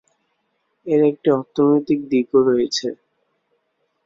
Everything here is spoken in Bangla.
এর একটি অর্থনৈতিক দিকও রয়েছে।